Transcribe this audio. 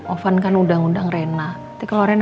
emang kamu lagi lupa ngapain tadi di sekitarnya